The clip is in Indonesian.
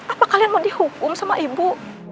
apa kalian mau dihukum sama ibu